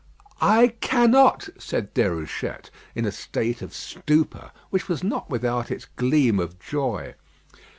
"I cannot," said Déruchette, in a state of stupor which was not without its gleam of joy.